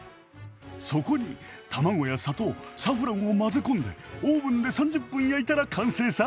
そこに卵や砂糖サフランを混ぜ込んでオーブンで３０分焼いたら完成さ。